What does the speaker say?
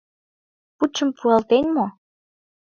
Пучым пуалтен мо?